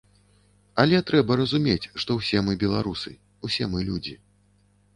Але трэба разумець, што ўсе мы беларусы, усе мы людзі.